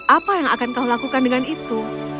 apa yang akan kau lakukan dengan itu